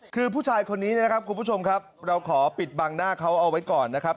คือผู้ชายคนนี้นะครับคุณผู้ชมครับเราขอปิดบังหน้าเขาเอาไว้ก่อนนะครับ